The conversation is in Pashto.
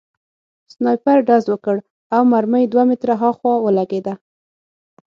سنایپر ډز وکړ او مرمۍ دوه متره هاخوا ولګېده